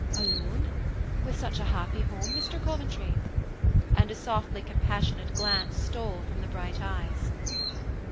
"Alone, with such a happy home, Mr. Coventry?" And a softly compassionate glance stole from the bright eyes.